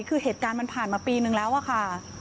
คือเหตุการณ์มันผ่านมาปีนึงแล้วอะค่ะ